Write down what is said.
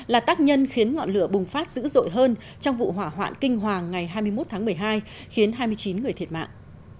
là tác nhân khiến ngọn lửa bùng phát dữ dội hơn trong vụ hỏa hoạn kinh hoàng ngày hai mươi một tháng một mươi hai khiến hai mươi chín người thiệt mạng